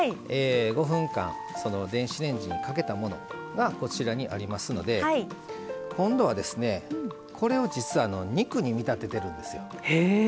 ５分間電子レンジにかけたものがこちらにありますので今度は、これを実は肉に見立ててるんですよ。